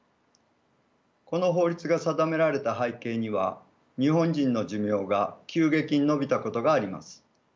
この法律が定められた背景には日本人の寿命が急激に延びたことがあります。